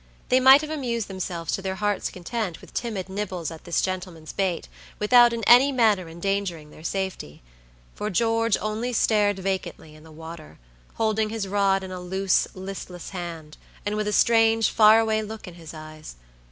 They might have amused themselves to their hearts' content with timid nibbles at this gentleman's bait without in any manner endangering their safety; for George only stared vacantly in the water, holding his rod in a loose, listless hand, and with a strange, far away look in his eyes.